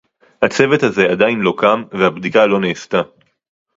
הצוות הזה עדיין לא קם והבדיקה לא נעשתה